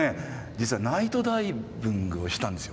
実はナイトダイビングをしたんですよ。